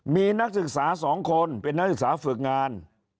มีนักศึกษา๒คนเป็นนักศึกษาฝึกงาน